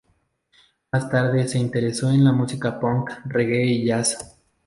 Más tarde se interesó en la música Punk, Reggae y jazz.